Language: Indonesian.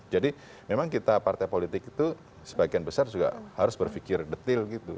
jadi memang kita partai politik itu sebagian besar juga harus berpikir detail gitu